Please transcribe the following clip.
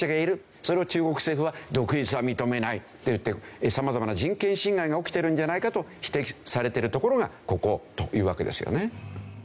それを中国政府は独立は認めないっていって様々な人権侵害が起きてるんじゃないかと指摘されてるところがここというわけですよね。